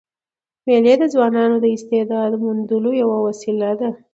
مېلې د ځوانانو د استعداد موندلو یوه وسیله ده.